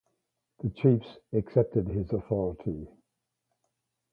The chiefs accepted his authority.